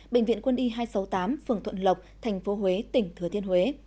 bệnh viện quân y hai trăm sáu mươi tám phường thuận lộc tp huế